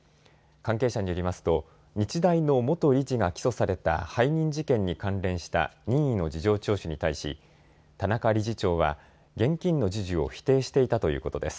関係者によりますと日大の元理事が起訴された背任事件に関連した任意の事情聴取に対し田中理事長は現金の授受を否定していたということです。